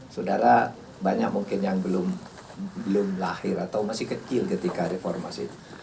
saudara banyak mungkin yang belum lahir atau masih kecil ketika reformasi itu